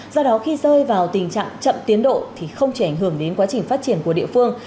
do đó khi rơi vào tình trạng chậm tiến độ thì không chỉ ảnh hưởng đến quá trình phát triển của địa phương